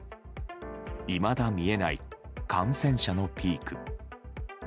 いまだ見えない感染者のピーク。